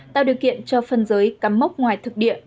tạo điều kiện cho phân giới cắm mốc ngoài thực địa